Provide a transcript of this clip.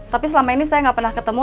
tapi selama ini saya nggak pernah ketemu